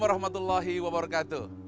assalamualaikum wr wb